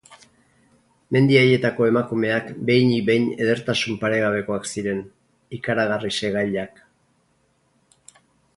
Mendi haietako emakumeak behinik behin edertasun paregabekoak ziren, ikaragarri segailak.